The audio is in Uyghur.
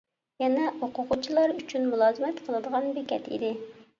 يەنە ئوقۇغۇچىلار ئۈچۈن مۇلازىمەت قىلىدىغان بېكەت ئىدى.